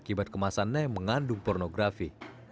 akibat kemasannya mengandung pornografi